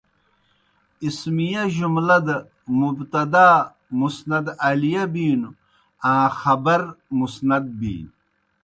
اسمِیہ جُلمہ دہ مُبتدا مسند الیہ بِینوْ آں خبر مُسند بِینیْ۔